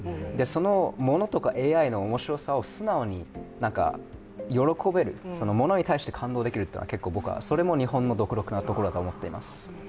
そのものとかＡＩの面白さを素直に喜べる、ものに対して感動できるというのも日本の独特なところだと思っています。